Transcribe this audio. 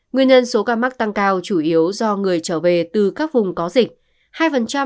nguyên nhân số ca mắc tăng cao chủ yếu do người trở về từ các vùng có dịch